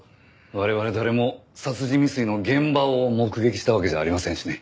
我々誰も殺人未遂の現場を目撃したわけじゃありませんしね。